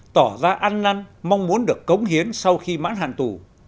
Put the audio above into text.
tỏ ra ăn năn mong muốn được cống hiến sau khi mãn hạn tù